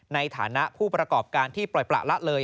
ในฐานะผู้ประกอบการที่ปล่อยประละเลย